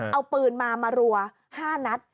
เอาปืนมามารัว๕นัด